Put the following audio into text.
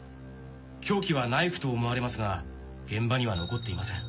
凶器はナイフと思われますが現場には残っていません。